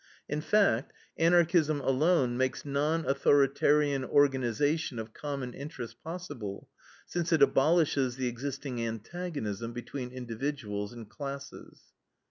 In fact, Anarchism alone makes non authoritarian organization of common interests possible, since it abolishes the existing antagonism between individuals and classes.